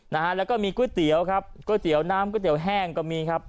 นะฮะเราก็มีกล้วยเตี๋วครับกล้วยเตี๋วน้ำก็เตี๋วแห้งก็มีครับ